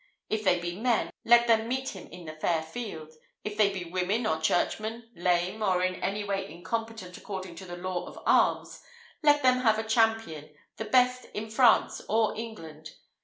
If they be men, let them meet him in fair field; if they be women or churchmen, lame, or in any way incompetent according to the law of arms, let them have a champion, the best in France or England.